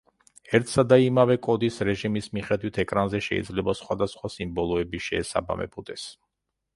ერთსა და იმავე კოდის რეჟიმის მიხედვით ეკრანზე შეიძლება სხვადასხვა სიმბოლოები შეესაბამებოდეს.